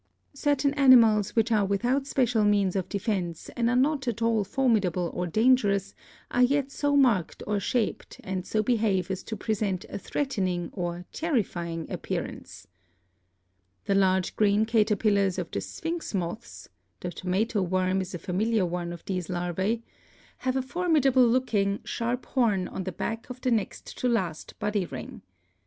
Certain animals which are without special means of defense and are not at all formidable or dangerous are yet so marked or shaped and so behave as to present a threatening or 'Terrifying Appearance/ The large green caterpillars of the Sphinx moths — the tomato worm is a familiar one of these larvae — have a formidable looking, sharp horn on the back of the next to last body ring.